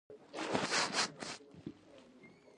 مخامخ د ګرګين پر لښکر ورغلل.